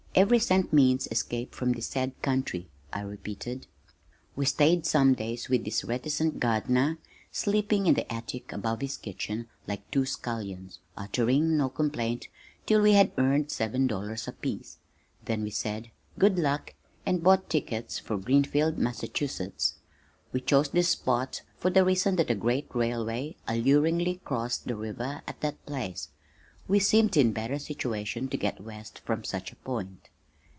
"Every cent means escape from this sad country," I repeated. We stayed some days with this reticent gardener, sleeping in the attic above his kitchen like two scullions, uttering no complaint till we had earned seven dollars apiece; then we said, "Good luck," and bought tickets for Greenfield, Massachusetts. We chose this spot for the reason that a great railway alluringly crossed the river at that place. We seemed in better situation to get west from such a point.